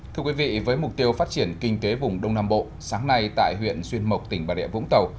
thưa quý vị với mục tiêu phát triển kinh tế vùng đông nam bộ sáng nay tại huyện xuyên mộc tỉnh bà địa vũng tàu